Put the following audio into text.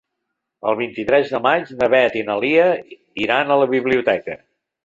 El vint-i-tres de maig na Beth i na Lia iran a la biblioteca.